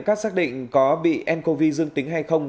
các xác định có bị ncov dương tính hay không